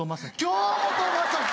京本政樹